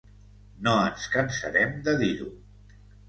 No ens cansarem de dir-ho.